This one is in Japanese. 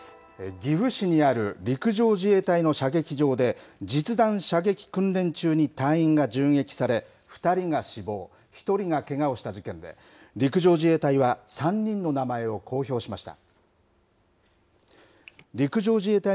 岐阜市にある陸上自衛隊の射撃場で実弾射撃訓練中に隊員が銃撃され２人が死亡１人がけがをした事件で陸上自衛隊は３人の名前を公表しました。